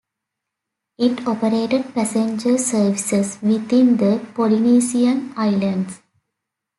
It operated passenger services within the Polynesian islands.